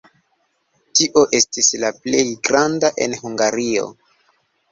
Tio estis la plej granda en Hungario.